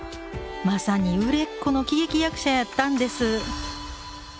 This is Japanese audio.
まさに売れっ子の喜劇役者やったんです。